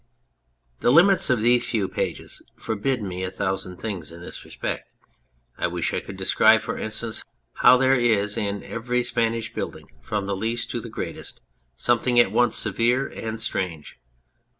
The limits of these few pages forbid me a thousand things in this respect. I wish I could describe (for instance) how there is in every Spanish building, from the least to the greatest, something at once severe and strange.